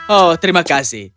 oh terima kasih